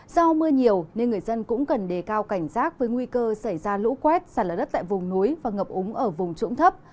do mưa nhiều nên người dân cũng cần đề cao cảnh giác với nguy cơ xảy ra lũ quét sạt lở đất tại vùng núi và ngập úng ở vùng trũng thấp